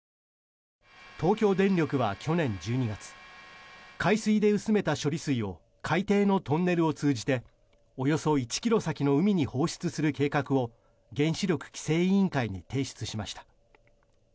東京電力は去年１２月海水で薄めた処理水を海底のトンネルを通じておよそ１ｋｍ先の海に放出する計画を原子力規制委員会に提出しました。